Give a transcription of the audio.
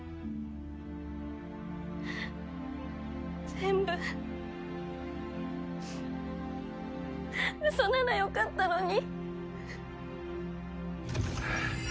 全部ウソならよかったのに！